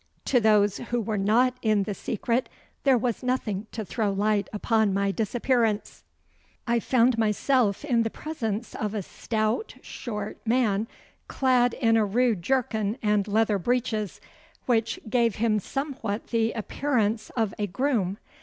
To those who were not in the secret there was nothing to throw light upon my disappearance. I found myself in the presence of a stout short man clad in a rude jerkin and leather breeches, which gave him somewhat the appearance of a groom.